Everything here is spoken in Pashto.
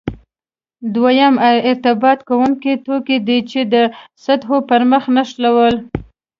دویم ارتباط ورکوونکي توکي دي چې د سطحو پرمخ نښلوي.